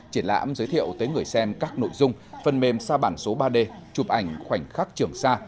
triển lãm giới thiệu tới người xem các nội dung phần mềm sa bản số ba d chụp ảnh khoảnh khắc trường sa